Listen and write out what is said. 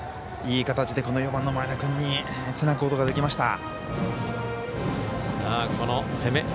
いい形で、この４番の前田君につなぐことができました。